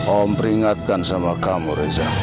om peringatkan sama kamu reza